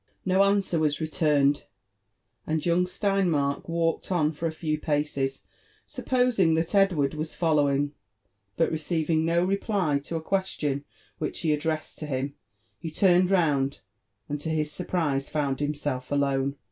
Mo answer was returned ; and young Steinmark walked on for a few paces, supposing that Edward was following ; but receiving no reply to a question which he addressed to hlm» he turned round, and to his surprise found himself alone.